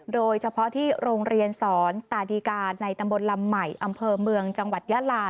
โดยเฉพาะที่โรงเรียนสอนตาดีกาในตำบลลำใหม่อำเภอเมืองจังหวัดยาลา